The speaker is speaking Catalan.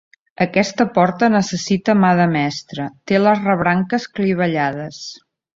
Aquesta porta necessita mà de mestre, té les rebranques clivellades.